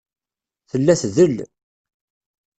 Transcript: Tella tdel.